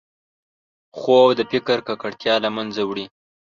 خوب د فکر ککړتیا له منځه وړي